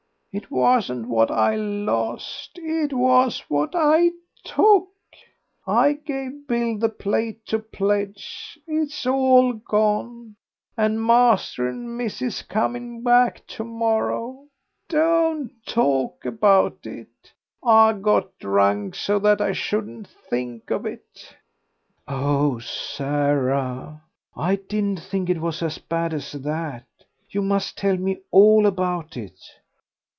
"It wasn't what I lost, it was what I took. I gave Bill the plate to pledge; it's all gone, and master and missis coming back tomorrow. Don't talk about it. I got drunk so that I shouldn't think of it." "Oh, Sarah, I didn't think it was as bad as that. You must tell me all about it."